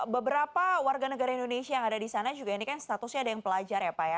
beberapa warga negara indonesia yang ada di sana juga ini kan statusnya ada yang pelajar ya pak ya